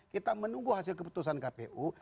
kita menunggu hasil keputusan kpu